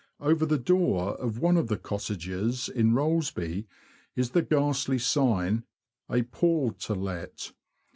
Over the door of one of the cottages in Rollesby is the ghastly sign, *' A pall to let."